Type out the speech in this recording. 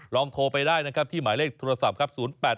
ลองโทรไปได้นะครับที่หมายเลขโทรศัพท์ครับ๐๘๘๗๙๑๐๕๑๘